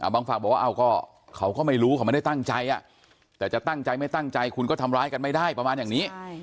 บางฝั่งบอกว่าเขาก็ไม่รู้เขาไม่ได้ตั้งใจแต่จะตั้งใจไม่ตั้งใจคุณก็ทำร้ายกันไม่ได้ประมาณอย่างนี้